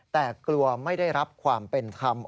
แต่กลัวไม่ได้รับความเป็นธรรม